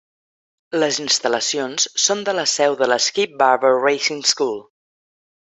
Les instal·lacions són la seu de la Skip Barber Racing School.